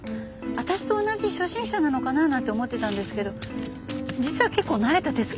私と同じ初心者なのかななんて思ってたんですけど実は結構慣れた手つきですよね。